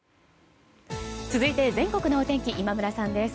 続いて全国のお天気今村さんです。